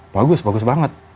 bagus bagus banget